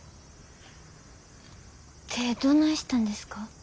手ぇどないしたんですか？